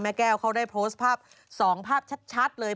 แก้วเขาได้โพสต์ภาพ๒ภาพชัดเลย